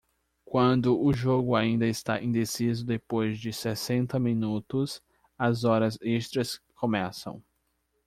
Quando o jogo ainda está indeciso depois de sessenta minutos, as horas extras começam.